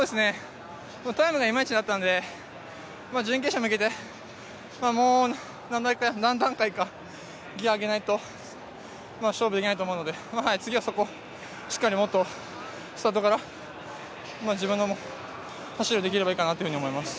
タイムがいまいちだったんで、準決勝に向けてもう何段階かギアを上げないと勝負できないと思うので、次は、しっかりもっとスタートから自分の走りをできればいいかなと思います。